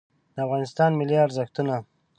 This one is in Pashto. د افغانستان ملي ارزښتونه